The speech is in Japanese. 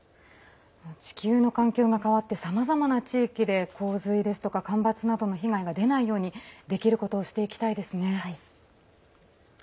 地球の環境が変わってさまざまな地域で洪水ですとか干ばつなどの被害が出ないようにできることをしていきたいですね。